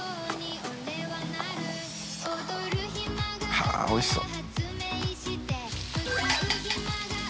はぁおいしそう。